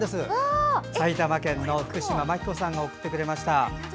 埼玉県の福島牧子さんが送ってくれました。